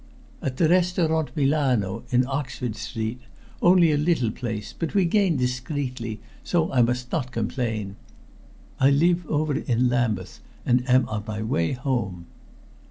"At the Restaurant Milano, in Oxford Street only a small place, but we gain discreetly, so I must not complain. I live over in Lambeth, and am on my way home."